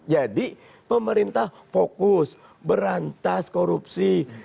jadi pemerintah fokus berantas korupsi